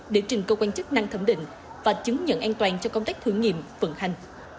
để trình cơ quan chức năng thẩm định và chứng nhận an toàn cho công tác thử nghiệm vận hành